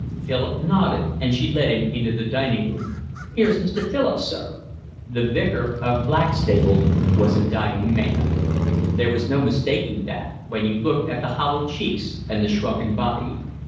Philip nodded, and she led him into the dining room. "Here's Mr. Philip, sir." The Vicar of Blackstable was a dying man. There was no mistaking that when you looked at the hollow cheeks and the shrunken body.